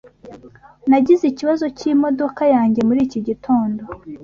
Nagize ikibazo cyimodoka yanjye muri iki gitondo.